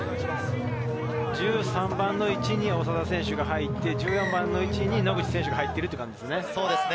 １３番の位置に長田選手が入って１４番の位置に野口選手が入っていますね。